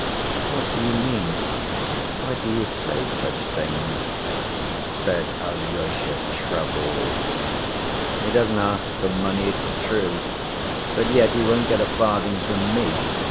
"What do you mean? Why do you say such things?" said Alyosha, troubled. "He doesn't ask for money, it's true, but yet he won't get a farthing from me.